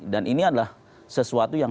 dan ini adalah sesuatu yang